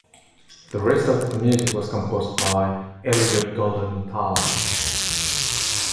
The rest of the music was composed by Elliot Goldenthal.